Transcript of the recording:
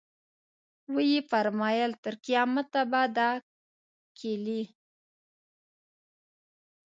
ویې فرمایل تر قیامته به دا کیلي.